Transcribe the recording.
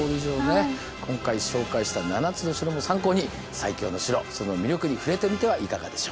今回紹介した７つの城も参考に最強の城その魅力に触れてみてはいかがでしょうか。